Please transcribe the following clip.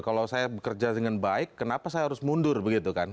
kalau saya bekerja dengan baik kenapa saya harus mundur begitu kan